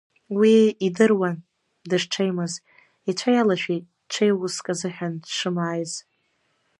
Уи идыруан дышҽеимыз, ицәа иалашәеит ҽеи уск азыҳәан дшымааиз.